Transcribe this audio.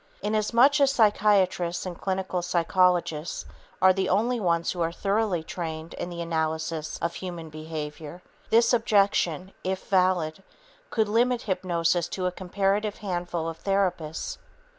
Inasmuch as psychiatrists and clinical psychologists are the only ones who are thoroughly trained in the analysis of human behavior, this objection, if valid, could limit hypnosis to a comparative handful of therapists.